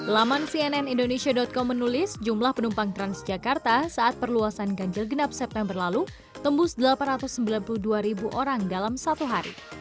laman cnnindonesia com menulis jumlah penumpang transjakarta saat perluasan ganjil genap september lalu tembus delapan ratus sembilan puluh dua ribu orang dalam satu hari